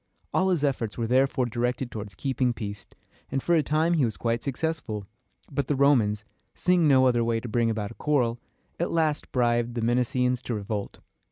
All his efforts were therefore directed toward keeping peace, and for a time he was quite successful. But the Romans, seeing no other way to bring about a quarrel, at last bribed the Messenians to revolt.